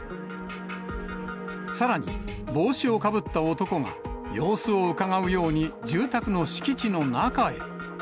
さらに、帽子をかぶった男が、様子をうかがうように住宅の敷地の中へ。